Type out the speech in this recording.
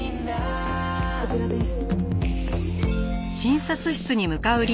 こちらです。